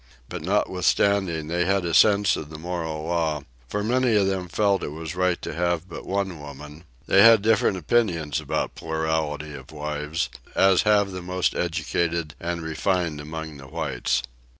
But notwithstanding, they had a sense of the moral law, for many of them felt that it was right to have but one woman; they had different opinions about plurality of wives, as have the most educated and refined among the whites.